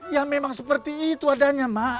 ya memang seperti itu adanya mak